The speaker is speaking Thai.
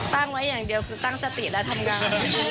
ตั้งไว้อย่างเดียวคือตั้งสติและทำงาน